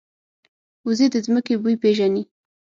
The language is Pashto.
وزې د ځمکې بوی پېژني